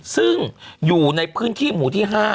ซึ่งอยู่ในพื้นที่หมู่ที่๕